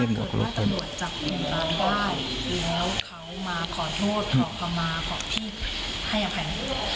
แล้วเขามาขอโทษขอคำมาขอพี่ให้อภัยไหม